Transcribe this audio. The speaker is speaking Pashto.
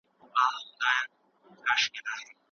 حکومت اوس د سولي له پاره هڅې کوي.